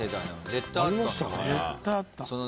絶対あった。